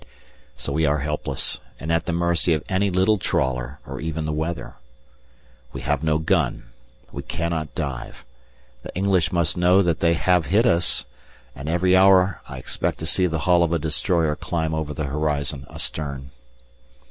So we are helpless, and at the mercy of any little trawler, or even the weather. We have no gun; we cannot dive. The English must know that they have hit us, and every hour I expect to see the hull of a destroyer climb over the horizon astern.